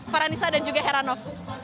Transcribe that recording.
paranisa dan juga heranov